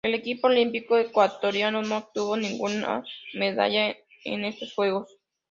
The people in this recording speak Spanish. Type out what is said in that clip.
El equipo olímpico ecuatoriano no obtuvo ninguna medalla en estos Juegos.